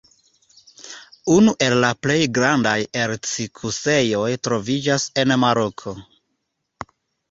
Unu el la plej grandaj erc-kuŝejoj troviĝas en Maroko.